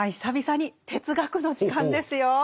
久々に哲学の時間ですよ。